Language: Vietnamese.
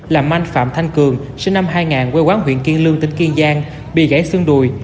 làm anh phạm thanh cường sinh năm hai nghìn quê quán huyện kiên lương tỉnh kiên giang bị gãy xương đùi